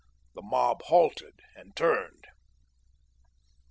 The mob halted and turned.